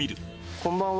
こんばんは。